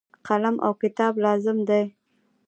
قلم او کتاب لازم دي.